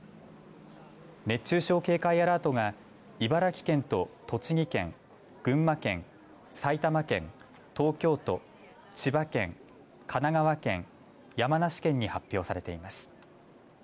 熱中症警戒アラートが茨城県と栃木県群馬県、埼玉県東京都、千葉県神奈川県、山梨県に発表されています。